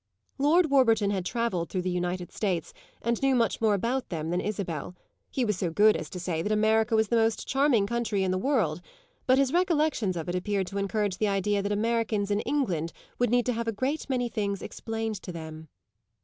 Lord Warburton had travelled through the United States and knew much more about them than Isabel; he was so good as to say that America was the most charming country in the world, but his recollections of it appeared to encourage the idea that Americans in England would need to have a great many things explained to them.